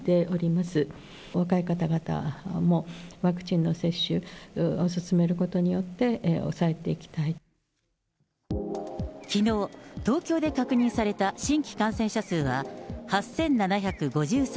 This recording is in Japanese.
お若い方々もワクチンの接種を進めることによって、きのう、東京で確認された新規感染者数は８７５３人。